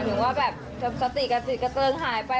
หนูก็แบบสติกระเจิงหายไป